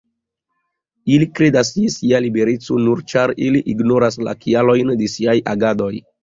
Ili kredas je sia libereco nur ĉar ili ignoras la kialojn de siaj agadoj.